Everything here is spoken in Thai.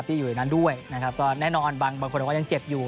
อยู่ในนั้นด้วยนะครับก็แน่นอนบางคนบอกว่ายังเจ็บอยู่